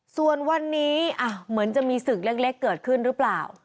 ส่วนวันนี้เหมือนจะมีศึกเล็กเกิดขึ้นหรือเปล่า